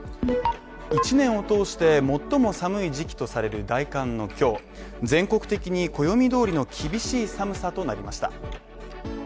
１年を通して最も寒い時期とされる大寒の今日、全国的に暦通りの厳しい寒さとなりました。